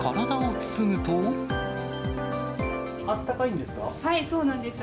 あったかいんですか？